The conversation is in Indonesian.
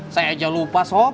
saya aja lupa sob